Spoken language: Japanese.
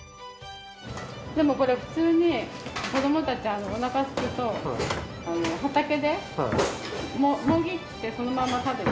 でもこれ普通に子どもたちおなかすくと畑でもぎってそのまま食べて。